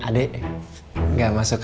pada saat nadia sangat oui